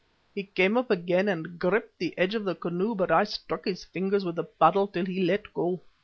He came up again and gripped the edge of the canoe, but I struck his fingers with the paddle till he let go.